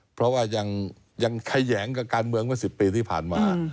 เพราะว่ายังแขยงกับการเมืองเมื่อ๑๐ปีที่ผ่านมา